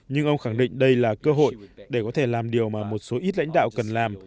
nhưng ông khẳng định đây là cơ hội để có thể làm điều mà một số ít lãnh đạo cần làm